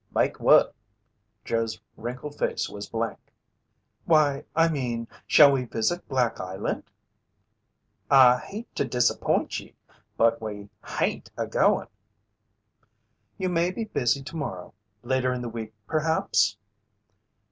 "Make what?" Joe's wrinkled face was blank. "Why, I mean, shall we visit Black Island!" "I hate to disappoint ye, but we hain't a goin'." "You may be busy tomorrow. Later in the week perhaps?"